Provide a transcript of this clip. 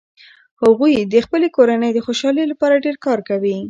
هغوي د خپلې کورنۍ د خوشحالۍ لپاره ډیر کار کوي